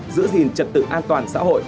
giữ gìn trật tự an toàn xã hội